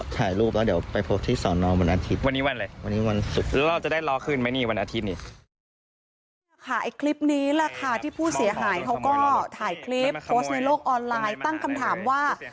นี่ค่ะที่ผู้เสียหายเขาก็ถ่ายคลิปโพสต์ในโลกออนไลน์ตั้งคำถามว่า